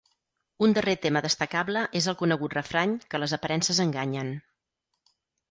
Un darrer tema destacable és el conegut refrany que les aparences enganyen.